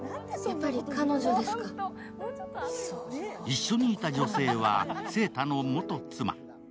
一緒にいた女性は晴太の元妻。